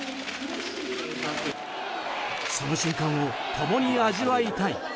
その瞬間を共に味わいたい。